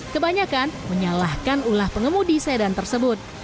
kebanyakan menyalahkan ulah pengemudi sedan tersebut